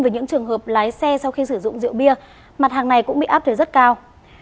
về những trường hợp lái xe sau khi sử dụng rượu bia mặt hàng này cũng bị áp thuế rất cao